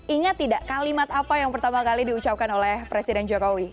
ingat tidak kalimat apa yang pertama kali diucapkan oleh presiden jokowi